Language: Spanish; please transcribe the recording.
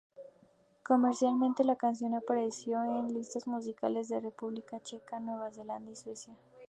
Comercialmente, la canción apareció en listas musicales de República Checa, Nueva Zelanda y Suecia.